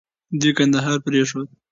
دوی کندهار پرېښود.